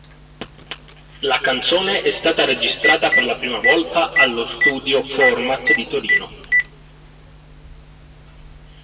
La canzone è stata registrata per la prima volta allo studio Format di Torino.